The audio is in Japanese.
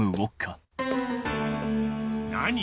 何！